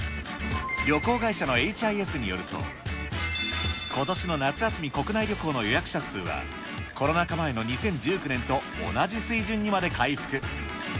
旅行会社のＨＩＳによると、ことしの夏休み国内旅行の予約者数は、コロナ禍前の２０１９年と同じ水準にまで回復。